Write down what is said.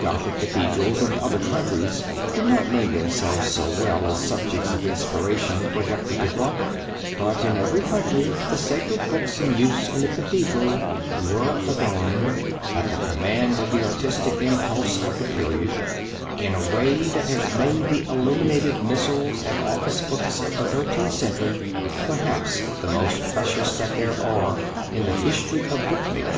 Gothic cathedrals in other countries did not lend themselves so well as subjects of inspiration for decorative art, but in every country the sacred books in use in the cathedral were adorned, at the command of the artistic impulse of the period, in a way that has made the illuminated missals and office books of the Thirteenth Century perhaps the most precious that there are in the history of book making.